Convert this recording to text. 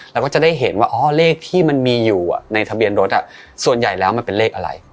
เราก็จะได้เห็นว่าอ๋อเลขที่มันมีอยู่ในทะเบียนรถส่วนใหญ่แล้วมันเป็นเลขอะไร